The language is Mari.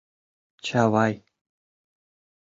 Чавай.